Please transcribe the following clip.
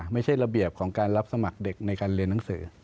ไม่ใช่ระเบียบของการรับสมัครเด็กในการเรียนหนังสือ